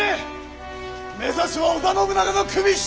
目指すは織田信長の首一つ！